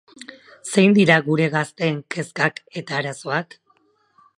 Zein dira gure gazteen kezkak eta arazoak?